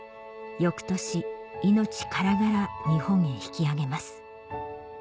翌年命からがら日本へ引き揚げます